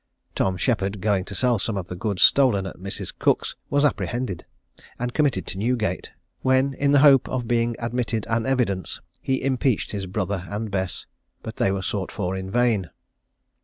Tom Sheppard going to sell some of the goods stolen at Mrs. Cook's, was apprehended, and committed to Newgate, when, in the hope of being admitted an evidence, he impeached his brother and Bess; but they were sought for in vain.